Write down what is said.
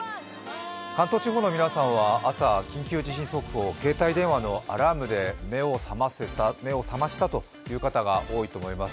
関東地方の皆さんは朝緊急地震速報、携帯電話のアラームで目を覚ましたという方が多いと思います。